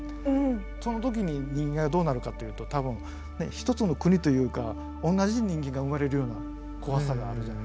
そのときに人間がどうなるかっていうと多分ね一つの国というか同じ人間が生まれるような怖さがあるじゃないですか。